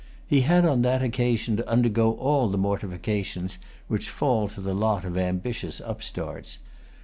He had on that occasion to undergo all the mortifications which fall to the lot of ambitious upstarts.